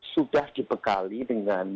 sudah dibekali dengan